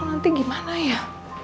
nanti gimana ya